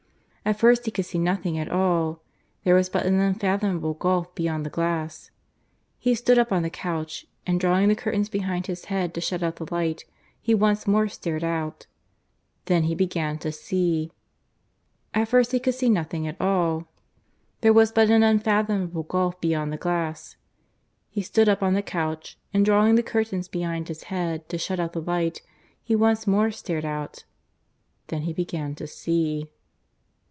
At first he could see nothing at all. There was but an unfathomable gulf beyond the glass. He stood up on the couch, and drawing the curtains behind his head to shut out the light, he once more stared out. Then he began to see. At first he could see nothing at all. There was but an unfathomable gulf beyond the glass. He stood up on the couch, and drawing the curtains behind his head to shut out the light, he once more stared out. Then he began to see.